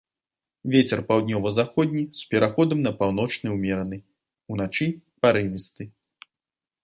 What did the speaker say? Вецер паўднёва-заходні з пераходам на паўночны ўмераны, уначы парывісты.